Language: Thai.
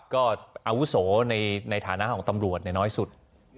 ก็อาวุโสในฐานะของตำรวจน้อยสุด